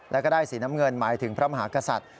แล้วก็ได้สีน้ำเงินหมายถึงพระมหากษัตริย์